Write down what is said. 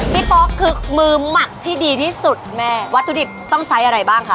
ป๊อกคือมือหมักที่ดีที่สุดแม่วัตถุดิบต้องใช้อะไรบ้างคะ